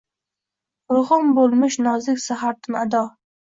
Ruhim bo’lmish nozik zahardin ado